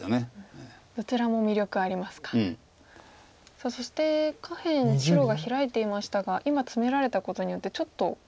さあそして下辺白がヒラいていましたが今ツメられたことによってちょっと弱い石になってきましたか。